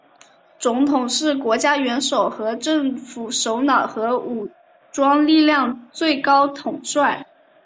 总统是国家元首和政府首脑和武装力量最高统帅。